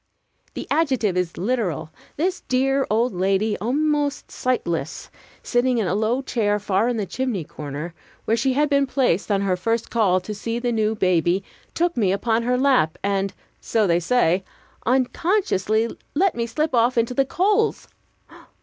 The adjective is literal. This dear old lady, almost sightless, sitting in a low chair far in the chimney corner, where she had been placed on her first call to see the new baby, took me upon her lap, and so they say unconsciously let me slip off into the coals.